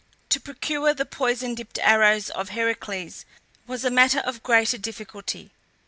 To procure the poison dipped arrows of Heracles was a matter of greater difficulty.